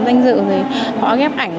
danh dự họ ghép ảnh